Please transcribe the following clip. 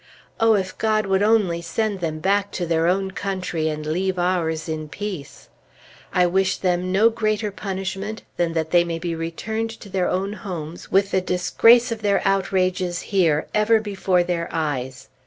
Oh, if God would only send them back to their own country, and leave ours in peace! I wish them no greater punishment than that they may be returned to their own homes, with the disgrace of their outrages here ever before their eyes.